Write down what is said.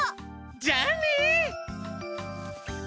じゃあね！